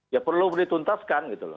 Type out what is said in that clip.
ya perlu dituntaskan gitu loh